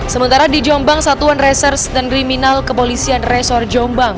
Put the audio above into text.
sementara di jombang satuan reserse dan kriminal kepolisian resor jombang